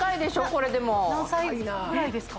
これでも何歳ぐらいですか？